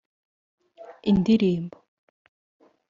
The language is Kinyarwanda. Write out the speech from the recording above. indirimbo